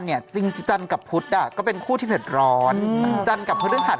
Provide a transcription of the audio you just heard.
กะถูกพูอยู่นะเนี่ยถูกมากแล้วเท่าที่วันจานป้ะล่ะ